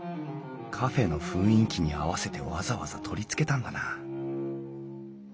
カフェの雰囲気に合わせてわざわざ取り付けたんだな